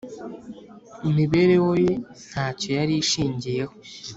imibereho ye ntacyo yari ishingiyeho,